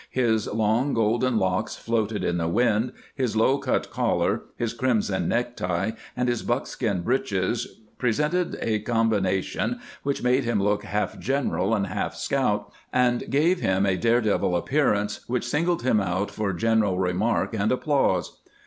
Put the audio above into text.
His long golden locks floating in the wind, his low cut collar, his crimson necktie, and his buckskin breeches, pre sented a combination which made him look half general and half scout, and gave him a daredevil appearance which singled him out for general remark and applause.